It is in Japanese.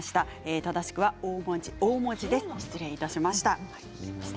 正しくは大文字でした失礼いたしました。